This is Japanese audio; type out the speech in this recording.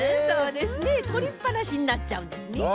そうですねとりっぱなしになっちゃうんですね。